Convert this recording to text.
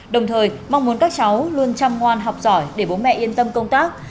đồng thời mong muốn các cháu luôn chăm ngoan học giỏi để bố mẹ yên tâm công tác